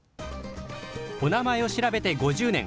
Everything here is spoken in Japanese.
お名前を調べて５０年。